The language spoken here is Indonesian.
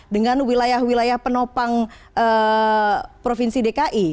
dengan wilayah wilayah penopang provinsi dki